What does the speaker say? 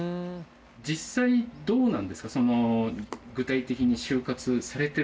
実際どうなんですか？